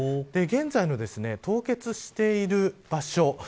現在の凍結している場所